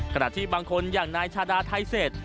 ขณะที่บางคนอย่างนายชาดาไทเศษ